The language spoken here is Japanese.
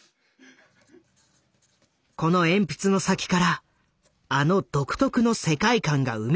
この鉛筆の先からあの独特の世界観が生み出された。